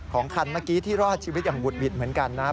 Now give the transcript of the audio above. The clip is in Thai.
คันเมื่อกี้ที่รอดชีวิตอย่างบุดหวิดเหมือนกันนะครับ